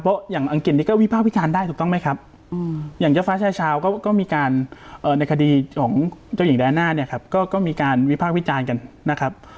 เพราะอย่างอังกฤษนี้ก็วิพากษ์วิจารณ์ได้ถูกต้องไหมครับอย่างเจ้าฟ้าชายชาวก็มีการในคดีของเจ้าหญิงแดน่าเนี่ยครับก็มีการวิพากษ์วิจารณ์กันนะครับ